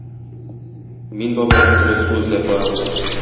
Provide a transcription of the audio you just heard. Мин, бабай, тере су эзләп барам.